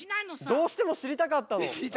どうしてもしりたかったの。